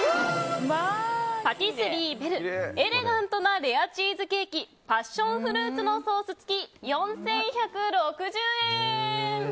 パティスリーベルエレガントなレアチーズケーキパッションフルーツのソース付き４１６０円。